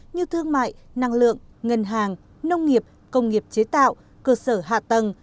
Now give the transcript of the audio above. như thương mại năng lượng ngân hàng nông nghiệp công nghiệp chế tạo cơ sở hạ tầng